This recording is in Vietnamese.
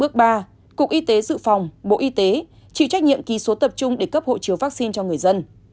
bước ba cục y tế dự phòng bộ y tế chịu trách nhiệm ký số tập trung để cấp hộ chiếu vaccine cho người dân